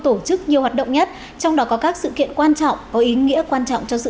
tổ chức nhiều hoạt động nhất trong đó có các sự kiện quan trọng có ý nghĩa quan trọng cho sự